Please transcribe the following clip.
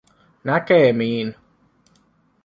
Näkemiin